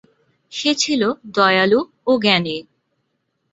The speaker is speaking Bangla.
সে ছিল দয়ালু ও জ্ঞানী।